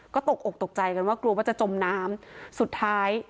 ก็ตกตกตกใจกันว่ากลัวว่าจะจมน้ำ